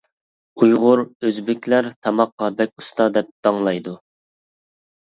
ئۇيغۇر، ئۆزبېكلەر تاماققا بەك ئۇستا دەپ داڭلايدۇ.